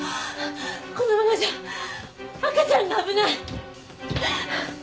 このままじゃ赤ちゃんが危ない！